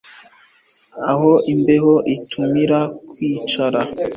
Aho imbeho itumira kwicara